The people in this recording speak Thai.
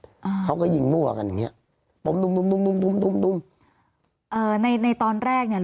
อ่าเขาก็ยิงมั่วกันอย่างเงี้ยตุ้มตุ้มตุ้มตุ้มตุ้มตุ้มตุ้มเอ่อในในตอนแรกเนี่ย